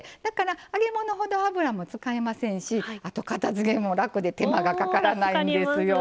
揚げ物ほど油も使いませんしあと、片づけるのが楽で手間がかからないんですよ。